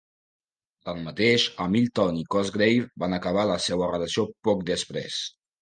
Tanmateix, Hamilton i Cosgrave van acabar la seva relació poc després.